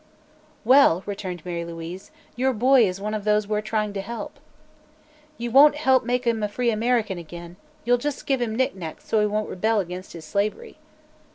"Well," returned Mary Louise, "your boy is one of those we're trying to help." "You won't help make him a free American again; you'll just help give him knickknacks so he won't rebel against his slavery."